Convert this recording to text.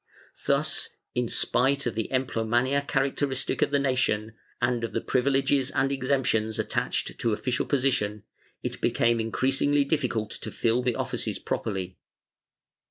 Thus, in spite of the empleomania characteristic of the nation, and of the privi leges and exemptions attached to official position, it became increasingly difficult to fill the offices properly.